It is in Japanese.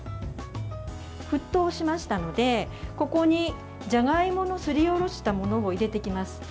沸騰しましたので、ここにじゃがいものすりおろしたものを入れていきます。